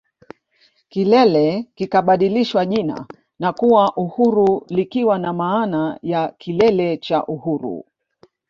Kilele kikabadilishiwa jina na kuwa Uhuru likiwa na maana ya Kilele cha Uhuru